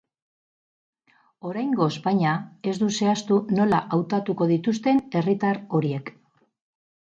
Oraingoz, baina, ez du zehaztu nola hautatuko dituzten herritar horiek.